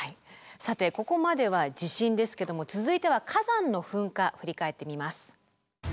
さてここまでは地震ですけども続いては火山の噴火振り返ってみます。